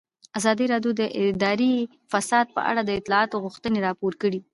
ازادي راډیو د اداري فساد په اړه د اصلاحاتو غوښتنې راپور کړې.